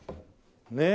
ねえ！